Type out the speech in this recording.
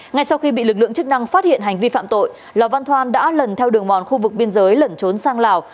ngay sau khi bị lực lượng chức năng phát hiện hành vi phạm tội lò văn thoan đã lần theo đường mòn khu vực biên giới lẩn trốn sang lào